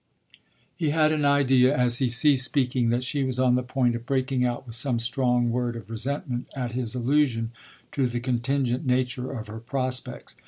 He had an idea as he ceased speaking that she was on the point of breaking out with some strong word of resentment at his allusion to the contingent nature of her prospects.